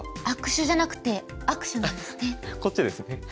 「悪手」じゃなくて「握手」なんですね。